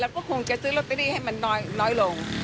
ก็คงจะซื้อตัวตะรี่รอแสตมป์ให้มันน้อยลง